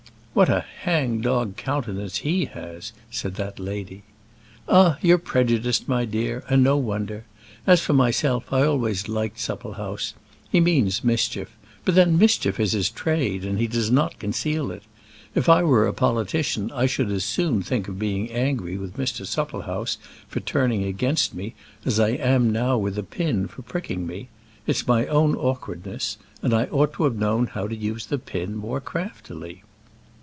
"What a hang dog countenance he has," said that lady. "Ah! you're prejudiced, my dear, and no wonder; as for myself I always liked Supplehouse. He means mischief; but then mischief is his trade, and he does not conceal it. If I were a politician I should as soon think of being angry with Mr. Supplehouse for turning against me as I am now with a pin for pricking me. It's my own awkwardness, and I ought to have known how to use the pin more craftily."